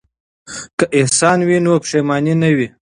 که احسان وي نو پښیماني نه وي.